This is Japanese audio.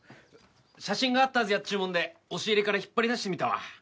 写真があったはずやっちゅうもんで押し入れから引っ張り出してみたわ。